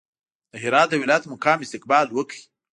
د هرات د ولایت مقام استقبال وکړ.